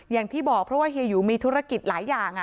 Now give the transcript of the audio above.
อย่างที่บอกเพราะว่าเฮียหยูมีธุรกิจหลายอย่าง